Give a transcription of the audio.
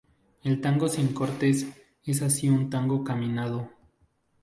El tango sin cortes es así un tango caminado.